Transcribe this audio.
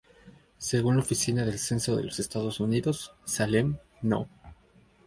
Según la Oficina del Censo de los Estados Unidos, Salem No.